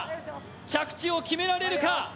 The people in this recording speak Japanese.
着地を決められるか。